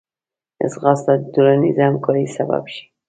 ځغاسته د ټولنیز همکارۍ سبب شي